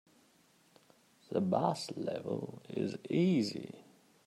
The boss level is easy.